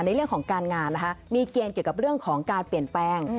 ในเรื่องของการงานนะคะมีเกณฑ์เกี่ยวกับเรื่องของการเปลี่ยนแปลง